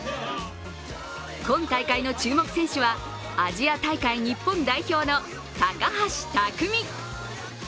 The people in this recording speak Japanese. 今大会の注目選手はアジア大会日本代表の高橋巧。